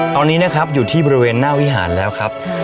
ตอนนี้นะครับอยู่ที่บริเวณหน้าวิหารแล้วครับ